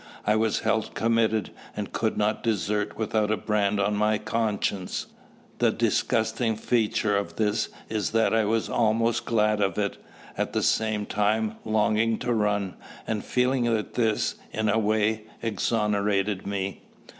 I was held committed, and could not desert without a brand on my conscience. The disgusting feature of this is that I was almost glad of it, at the same time longing to run, and feeling that this, in a way, exonerated me.